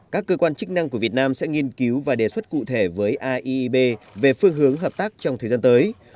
các cơ quan chức năng của việt nam sẽ nghiên cứu và đề xuất cụ thể với aib về phương hướng hợp tác trong thời gian tới